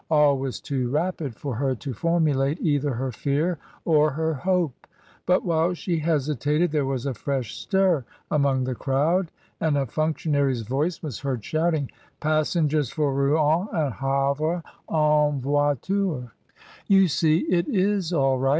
all was too rapid for her to formulate either her fear or her hope, but while she hesitated there was a fresh stir among the crowd, and a functionary's voice was heard shouting, "Passengers for Rouen and Havre en voiture!" "You see it is all right!"